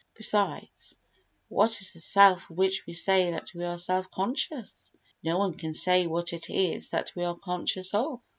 Besides what is the self of which we say that we are self conscious? No one can say what it is that we are conscious of.